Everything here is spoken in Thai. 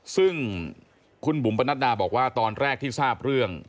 ซึ่งคุณบุ๋มปนัดดาบอกว่าตอนแรกที่ทราบเรื่อง